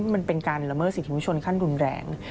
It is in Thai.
มันเป็นการละเมิดสิทธิวุชนขั้นรุนแรง